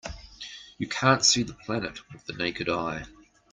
You can't see the planet with the naked eye.